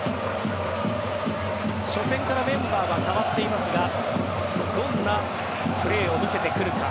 初戦からメンバーが変わっていますがどんなプレーを見せてくるか。